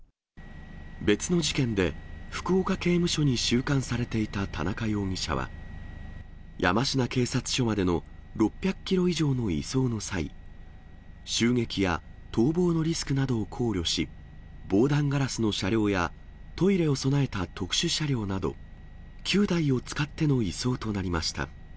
別の事件で、福岡刑務所に収監されていた田中容疑者は、山科警察署までの６００キロ以上の移送の際、襲撃や逃亡のリスクなどを考慮し、防弾ガラスの車両やトイレを備えた特殊車両など、９台を使っての移送となりました。